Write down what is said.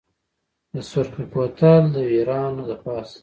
د سرخ کوتل دویرانو دپاسه